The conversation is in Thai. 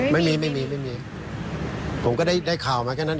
แล้วมีเรื่องนี้มาจริงหรือเปล่ามีมาจริงหรือเปล่า